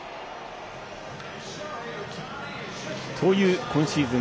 という、今シーズン